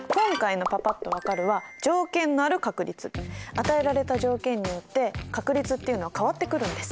与えられた条件によって確率っていうのは変わってくるんです。